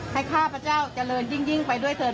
ข้าพเจ้าเจริญยิ่งไปด้วยเถิน